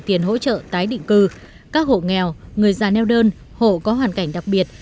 tiền hỗ trợ tái định cư các hộ nghèo người già neo đơn hộ có hoàn cảnh đặc biệt